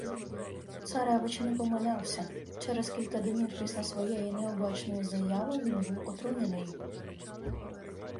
Царевич не помилявся: через кілька днів після своєї необачної заяви він був отруєний